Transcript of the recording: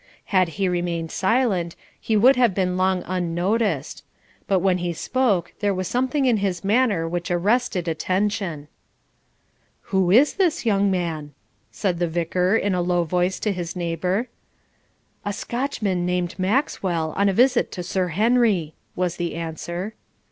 Had he remained silent, he would have been long unnoticed; but when he spoke there was something in his manner which arrested attention. 'Who is this young man?' said the Vicar in a low voice to his neighbour. 'A Scotchman called Maxwell, on a visit to Sir Henry,' was the answer.